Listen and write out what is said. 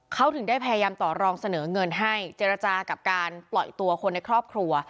เขาถึงได้พยายามต่อรองเสนอเงินให้เจรจากับการปล่อยตัวคนในครอบครัว